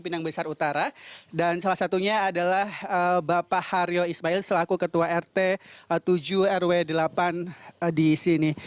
dan salah satunya adalah bapak haryo ismail selaku ketua rt tujuh rw delapan di sini